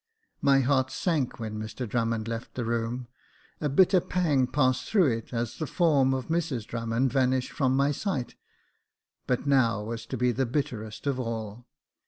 My heart sank when Mr Drummond left the room — a bitter pang passed through it as the form of Mrs Drummond vanished from my sight ; but now was to be the bitterest of all.